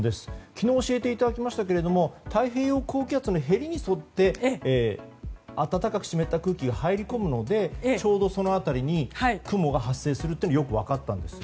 昨日、教えていただきましたが太平洋高気圧のへりに沿って暖かく湿った空気が入り込むのでちょうどその辺りに雲が発生するというのがよく分かったんです。